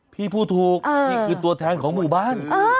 พี่พูดถูกพี่คือตัวแทนของหมู่บ้าน